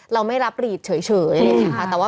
เราไม่รับพวงหลีดเฉยอย่างนี้ค่ะ